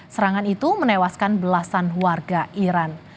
serangan itu menewaskan belasan warga iran